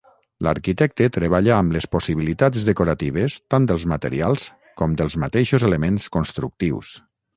L'arquitecte treballa amb les possibilitats decoratives tant dels materials com dels mateixos elements constructius.